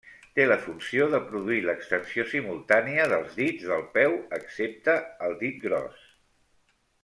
Té la funció de produir l'extensió simultània dels dits del peu excepte el dit gros.